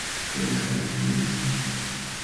Только один...